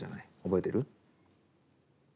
覚えてる？